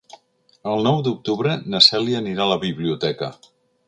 El nou d'octubre na Cèlia anirà a la biblioteca.